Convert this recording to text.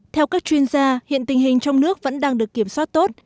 theo các chuyên gia hiện tình hình trong nước vẫn đang được kiểm soát tốt